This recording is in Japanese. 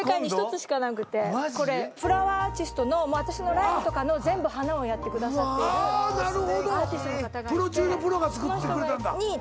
フラワーアーティストの私のライブとかの全部花をやってくださっているアーティストの方がいて。